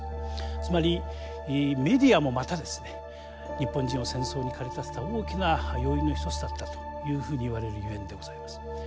つまりメディアもまた日本人を戦争に駆り立てた大きな要因の一つだったというふうにいわれるゆえんでございます。